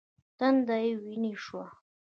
تندی یې ویني شو .